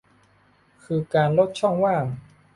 คือการลดช่องว่าง